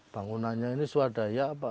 bangunannya ini swadaya